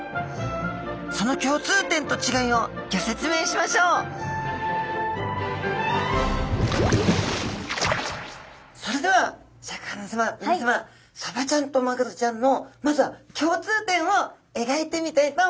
その共通点と違いをギョ説明しましょうそれではシャーク香音さまみなさまサバちゃんとマグロちゃんのまずは共通点をえがいてみたいと思います。